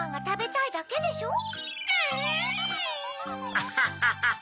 アハハハハ！